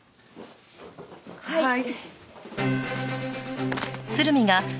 はい。